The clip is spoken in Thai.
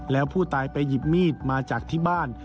แล้วผู้ตายไปหยิบมีดมาจากที่บ้าน